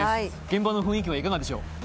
現場の雰囲気はいかがでしょう？